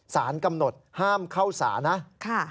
สารกำหนดห้ามเข้าสารนะ